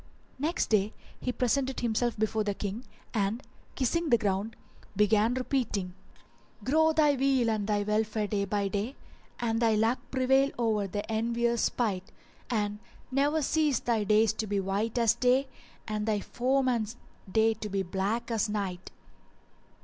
Next day he presented himself before the King and, kissing the ground, began repeating:— "Grow thy weal and thy welfare day by day: * And thy luck prevail o'er the envier's spite; And ne'er cease thy days to be white as day, * And thy foeman's day to be black as night!"